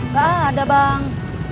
gak ada bang